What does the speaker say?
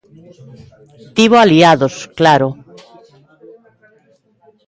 Tivo aliados, claro.